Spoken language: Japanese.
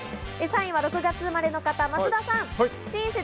３位は６月生まれの方、松田さん。